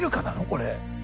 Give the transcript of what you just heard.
これ。